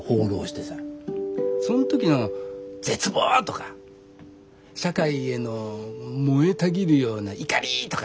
その時の絶望とか社会への燃えたぎるような怒りとか？